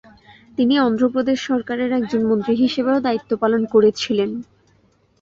তিনি অন্ধ্রপ্রদেশ সরকারের একজন মন্ত্রী হিসেবেও দায়িত্ব পালন করেছিলেন।